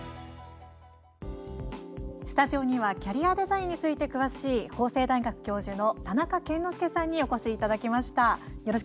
スタジオにはキャリアデザインについて詳しい法政大学教授の田中研之助さんにお越しいただきました。